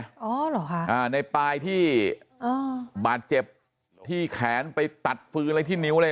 อ๋อเหรอคะอ่าในปลายที่อ่าบาดเจ็บที่แขนไปตัดฟืนอะไรที่นิ้วเลย